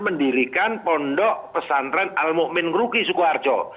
mendirikan pondok pesantren al mu'min ruki sukuharjo